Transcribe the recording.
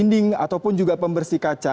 dinding ataupun juga pembersih kaca